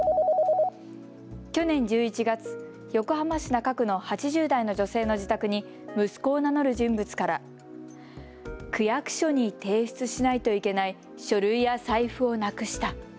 去年１１月、横浜市中区の８０代の女性の自宅に息子を名乗る人物から区役所に提出しないといけない書類や財布をなくした。